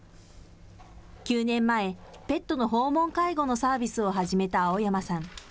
９年前、ペットの訪問介護のサービスを始めた青山さん。